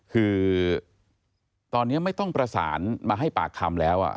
คือตอนนี้ไม่ต้องประสานมาให้ปากคำแล้ว